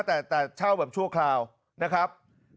แต่เช่าแบบชั่วคราวนะครับ